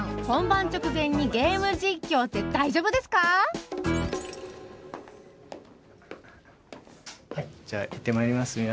本番直前にゲーム実況って大丈夫ですか⁉じゃあいってまいります